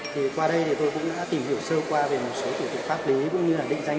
thì qua đây thì tôi cũng đã tìm hiểu sơ qua về một số thủ tục pháp lý cũng như là định danh